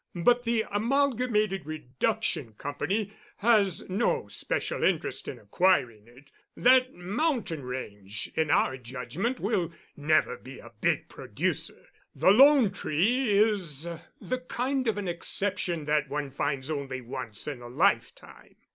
But the Amalgamated Reduction Company has no special interest in acquiring it. That mountain range, in our judgment, will never be a big producer. The 'Lone Tree' is the kind of an exception that one finds only once in a lifetime."